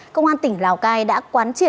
công an tỉnh lào cai đã quán triển